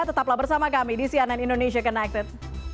tetaplah bersama kami di cnn indonesia connected